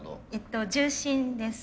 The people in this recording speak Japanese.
重心です。